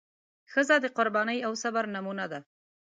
ښځه د قربانۍ او صبر نمونه ده.